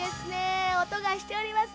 おとがしております